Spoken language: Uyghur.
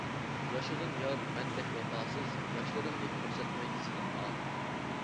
ياشىغىن يار مەندەك ۋاپاسىز، ياشلىرىڭنى كۆرسەتمەي زىنھار.